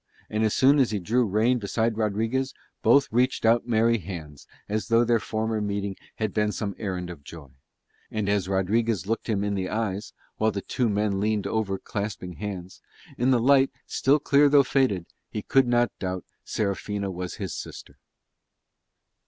And as soon as he drew rein beside Rodriguez both reached out merry hands as though their former meeting had been some errand of joy. And as Rodriguez looked him in the eyes, while the two men leaned over clasping hands, in light still clear though faded, he could not doubt Serafina was his sister.